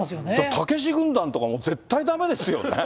たけし軍団とか絶対だめですよね。